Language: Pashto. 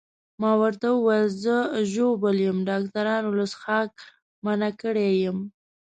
ما ورته وویل زه ژوبل یم، ډاکټرانو له څښاکه منع کړی یم.